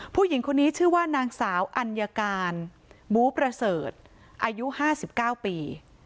ผู้หญิงคนนี้ชื่อว่านางสาวอัญญาการหมูประเสริฐอายุ๕๙ปี